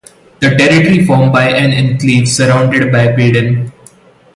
The territory formed an enclave surrounded by Baden.